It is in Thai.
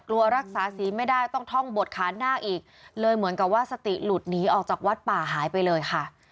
กลัวรักษาสีไม่ได้ต้องท่องบดขานนาคอีกเลยเหมือนกับว่าสติหลุดหนีออกจากวัดป่าหายไปเลยค่ะ